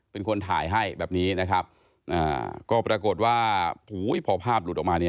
เป็นคนถ่ายให้แบบนี้นะครับ